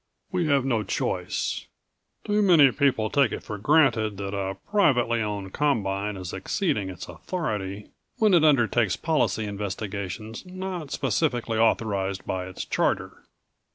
We have no choice. Too many people take it for granted that a privately owned combine is exceeding its authority when it undertakes police investigations not specifically authorized by its charter.